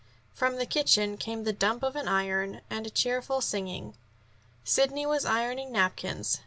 From the kitchen came the dump of an iron, and cheerful singing. Sidney was ironing napkins.